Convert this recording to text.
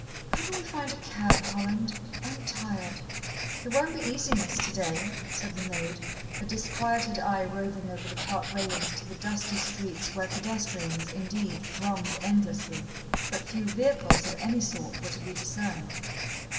"Couldn't we find a cab, Holland? I'm tired." "It won't be easy, Miss, today," said the maid, a disquieted eye roving over the Park railings to the dusty streets where pedestrians, indeed, thronged endlessly, but few vehicles of any sort were to be discerned.